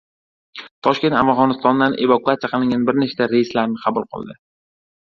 Toshkent Afg‘onistondan evakuatsiya qilingan bir nechta reyslarni qabul qildi